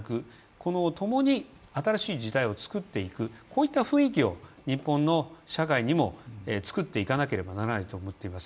このともに新しい時代を作っていく、こういった雰囲気を日本の社会にもつくっていかなければならないと思っています。